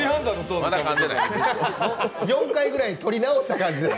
４回ぐらい撮り直した感じです。